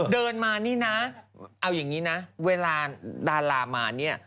เดินมานี่นะเอาอย่างนี้นะเวลาดารามาเนี่ย